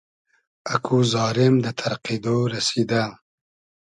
اکو زارېم دۂ تئرقیدۉ رئسیدۂ